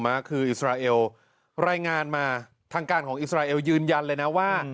คืออิสราเอลรายงานมาทางการของอิสราเอลยืนยันเลยนะว่า